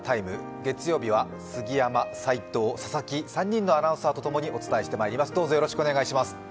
月曜日は杉山、齋藤、佐々木３人のアナウンサーと共にお伝えしてまいります。